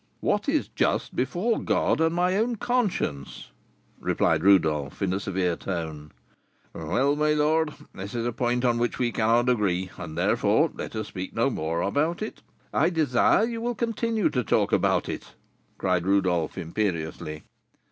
"What is just before God and my own conscience," replied Rodolph, in a severe tone. "Well, my lord, this is a point on which we cannot agree, and therefore let us speak no more about it." "I desire you will continue to talk about it!" cried Rodolph, imperiously.